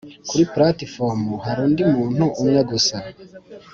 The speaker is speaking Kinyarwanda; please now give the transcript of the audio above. kuri platifomu hari undi muntu umwe gusa